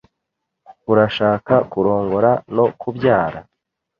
Urashaka kurongora no kubyara?